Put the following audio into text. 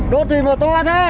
mình không xâm phạm